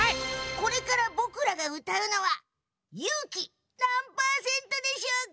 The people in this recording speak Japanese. これからぼくらがうたうのは「勇気なん％」でしょうか？